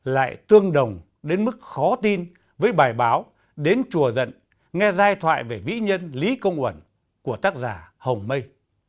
lại tương đồng đến mức khó tin với bài báo đến chùa dận nghe giai thoại về vĩ nhân lý công uẩn của tác giả hồng mây